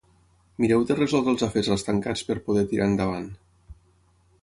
Mireu de resoldre els afers estancats per poder tirar endavant.